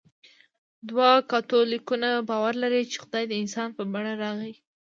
دواړه کاتولیکان باور لري، چې خدای د انسان په بڼه راغی.